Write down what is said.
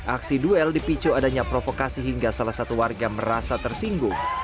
aksi duel dipicu adanya provokasi hingga salah satu warga merasa tersinggung